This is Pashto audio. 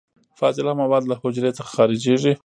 فاضله مواد له حجرې څخه خارجیږي.